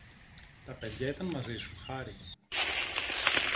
Τα παιδιά ήταν μαζί σου, Χάρη;